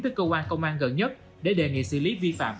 tới cơ quan công an gần nhất để đề nghị xử lý vi phạm